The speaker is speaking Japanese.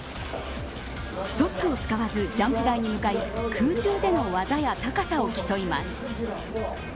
ストックを使わずジャンプ台に向かい空中での技や高さを競います。